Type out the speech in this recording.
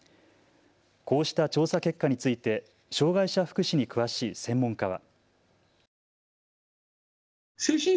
こうした調査結果について障害者福祉に詳しい専門家は。